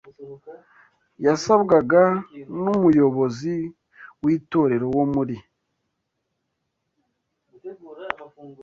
yasabwaga n’umuyobozi w’itorero wo muri